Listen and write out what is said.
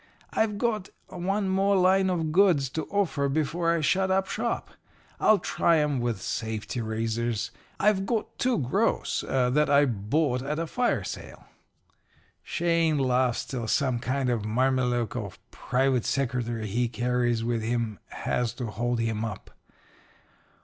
I've got one more line of goods to offer before I shut up shop. I'll try 'em with safety razors. I've got two gross that I bought at a fire sale.' "Shane laughs till some kind of mameluke or private secretary he carries with him has to hold him up.